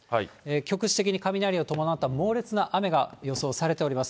局地的に雷を伴った猛烈な雨が予想されております。